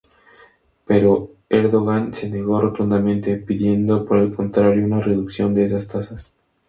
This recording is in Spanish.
Pero Erdogan se negó rotundamente, pidiendo, por el contrario, una reducción de esas tasas.